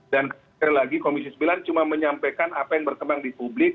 dan kemudian lagi komisi sembilan cuma menyampaikan apa yang berkembang di publik